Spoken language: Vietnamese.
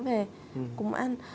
về cùng ăn